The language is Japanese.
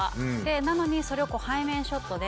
なのにそれを背面ショットで。